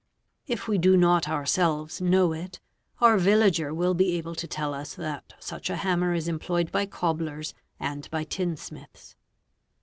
If we do not ourselves know it, our villager will be able to tell us that such a hammer is employed by cobblers and by tin smiths.